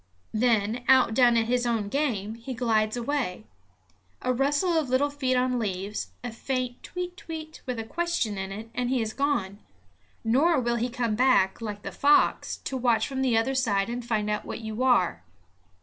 Then, outdone at his own game, he glides away. A rustle of little feet on leaves, a faint kwit kwit with a question in it, and he is gone. Nor will he come back, like the fox, to watch from the other side and find out what you are.